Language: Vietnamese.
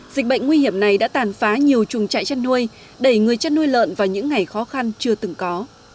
dịch bệnh nguy hiểm này đã tàn phá nhiều trùng trại chăn nuôi đẩy người chăn nuôi lợn vào những ngày khó khăn chưa từng có